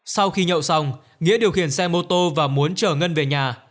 sau khi nhậu xong nghĩa điều khiển xe mô tô và muốn chở ngân về nhà